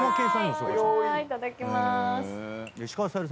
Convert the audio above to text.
いただきまーす。